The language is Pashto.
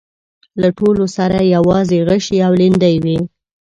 له ټولو سره يواځې غشي او ليندۍ وې.